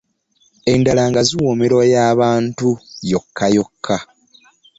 Endala nga ziwoomerwa ya bantu yokka yokka.